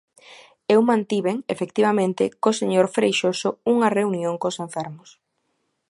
Eu mantiven, efectivamente, co señor Freixoso, unha reunión cos enfermos.